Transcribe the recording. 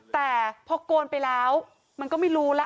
แต่พอโกนไปแล้วมันก็ไม่รู้แล้ว